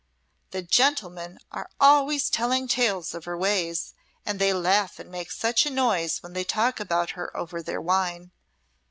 The gentlemen are always telling tales of her ways, and they laugh and make such a noise when they talk about her over their wine.